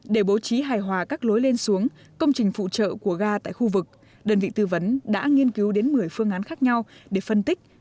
để bố trí hài hòa các lối lên xuống công trình phụ trợ của ga tại khu vực đơn vị tư vấn đã nghiên cứu đến một mươi phương án khác nhau để phân tích